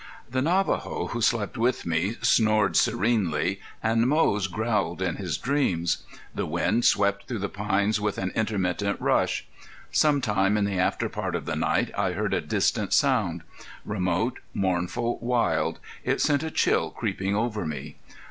The Navajo who slept with me snored serenely and Moze growled in his dreams; the wind swept through the pines with an intermittent rush. Some time in the after part of the night I heard a distant sound. Remote, mournful, wild, it sent a chill creeping over me.